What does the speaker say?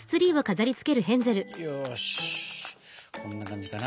よしこんな感じかな。